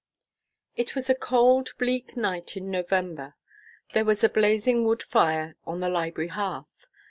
IT was a cold, bleak night in November. There was a blazing wood fire on the library hearth.